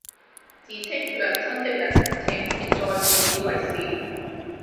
自稱娘親的人請別再自以為是